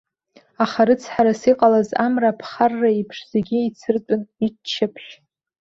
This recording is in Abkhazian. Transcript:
Аха, рыцҳарас иҟалаз, амра аԥхарра еиԥш, зегьы еицыртәын иччаԥшь.